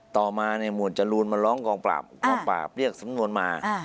ต่อมาเนี่ยหมวดจรูนมาร้องกองปราบกองปราบเรียกสำนวนมา